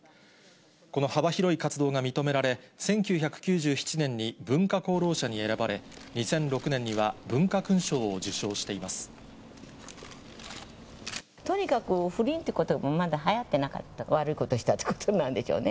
この幅広い活動が認められ、１９９７年に文化功労者に選ばれ、２００６年には文化勲章を受章しとにかく、不倫っていうことば、まだはやってなかった、悪いことしたってことなんでしょうね。